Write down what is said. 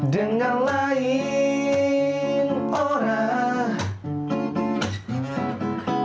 dengan lain orang